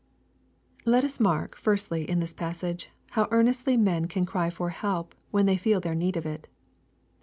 Let us mark, firstly, ia this passage, how earnestly men can cry for help when they feel their need of it.